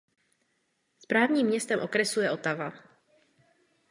Správním městem okresu je Ottawa.